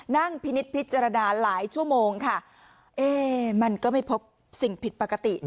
พินิษฐพิจารณาหลายชั่วโมงค่ะเอ๊มันก็ไม่พบสิ่งผิดปกติ